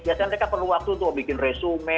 biasanya mereka perlu waktu untuk bikin resume